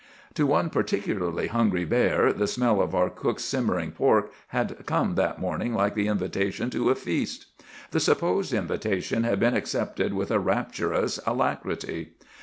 "To one particularly hungry bear the smell of our cook's simmering pork had come that morning like the invitation to a feast. The supposed invitation had been accepted with a rapturous alacrity.